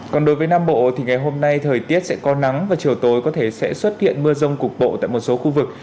còn đối với nam bộ thì ngày hôm nay thời tiết sẽ có nắng và chiều tối có thể sẽ xuất hiện mưa rông cục bộ tại một số khu vực